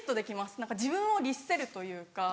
何か自分を律せるというか。